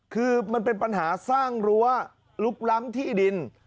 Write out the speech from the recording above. คือมันเป็นปัญหาสร้างรั้วลุกล้ำที่ดิน